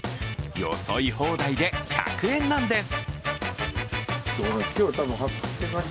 よそい放題で１００円なんです。